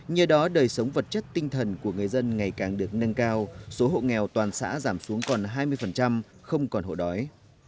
nhờ đó đời sống vật chất tinh thần của người dân ngày càng được nâng cao số hộ nghèo toàn xã giảm xuống còn hai mươi không còn hộ đói